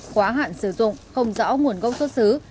quá hạn sử dụng không rõ nguồn gốc xuất xứ